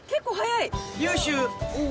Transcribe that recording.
優秀。